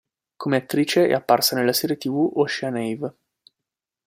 Come attrice è apparsa nella serie tv "Ocean Ave.